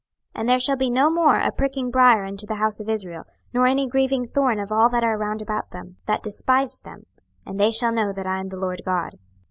26:028:024 And there shall be no more a pricking brier unto the house of Israel, nor any grieving thorn of all that are round about them, that despised them; and they shall know that I am the Lord GOD.